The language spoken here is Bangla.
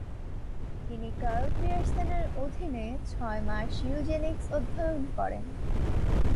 তিনি কার্ল পিয়ারসনের অধীনে ছয় মাস ইউজেনিক্স অধ্যয়ন করেন।